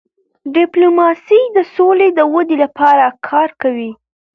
ډيپلوماسي د سولې د ودی لپاره کار کوي.